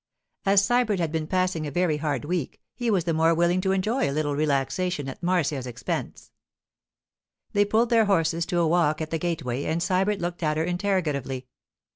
As Sybert had been passing a very hard week, he was the more willing to enjoy a little relaxation at Marcia's expense. They pulled their horses to a walk at the gateway, and Sybert looked at her interrogatively.